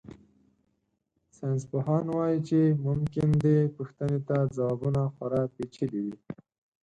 ساینسپوهان وایي چې ممکن دې پوښتنې ته ځوابونه خورا پېچلي وي.